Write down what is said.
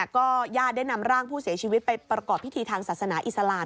ก็ญาติได้นำร่างผู้เสียชีวิตไปประกอบพิธีทางศาสนาอิสลาม